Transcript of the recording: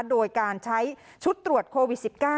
โดยการใช้ชุดตรวจโควิด๑๙